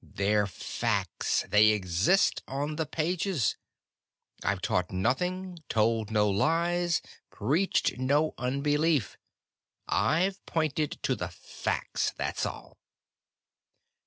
They're facts, they exist on the pages. I've taught nothing, told no lies, preached no unbelief. I've pointed to the facts. That's all."